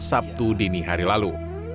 sabtu dini hari lalu